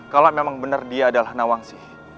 kalau memang benar dia adalah nawangsi